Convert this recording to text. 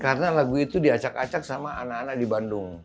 karena lagu itu diacak acak sama anak anak di bandung